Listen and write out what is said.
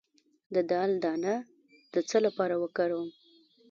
د دال دانه د څه لپاره وکاروم؟